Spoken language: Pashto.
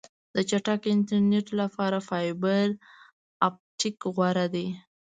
د چټک انټرنیټ لپاره فایبر آپټیک غوره دی.